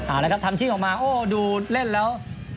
อ่าแล้วก็ทำชิงออกมาโอ้โหดูเล่นแล้ว